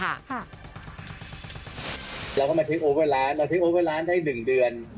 เราก็มาทิ้งโอเวอร์ร้านเราเทคโอเวอร์ร้านได้๑เดือน